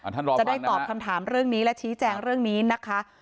จะได้ตอบคำถามเรื่องนี้และชี้แจงเรื่องนี้นะคะ